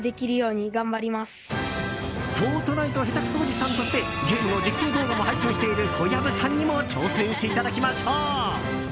「フォートナイト下手くそおじさん」としてゲームの実況動画も配信している小籔さんにも挑戦していただきましょう。